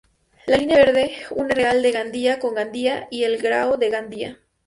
La línea Verde une Real de Gandía con Gandía y el Grao de Gandía.